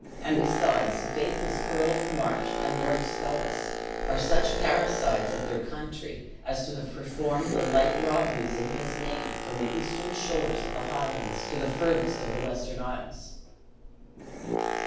And besides, the faithless Earl of March and Lord Sculis are such parricides of their country, as to have performed the like robberies, in his name, from the eastern shores of the Highlands to the furthiest of the Western Isles."